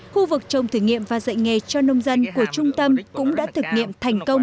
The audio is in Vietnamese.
khu vực trồng thử nghiệm và dạy nghề cho nông dân của trung tâm cũng đã thực nghiệm thành công